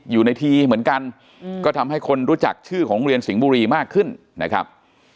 อยู่ในทีเหมือนกันก็ทำให้คนรู้จักชื่อของโรงเรียนสิงห์บุรีมากขึ้นนะครับ